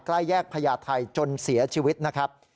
ใกล้แยกพญาไทยจนเสียชีวิตนะครับ